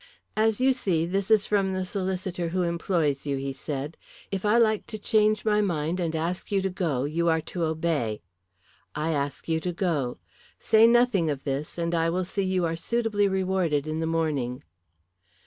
"As you see, this is from the solicitor who employs you," he said. "If I like to change my mind, and ask you to go you are to obey. I ask you to go. Say nothing of this, and I will see you are suitably rewarded in the morning."